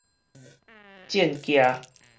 戰崎